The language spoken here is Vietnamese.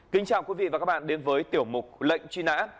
kính chào quý vị và các bạn đến với tiểu mục lệnh chuyên án